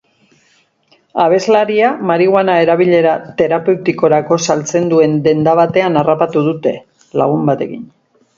Abeslaria marihuana erabilera terapeutikorako saltzen duen denda batean harrapatu dute, lagun batekin.